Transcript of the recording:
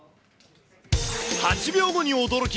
８秒後に驚き！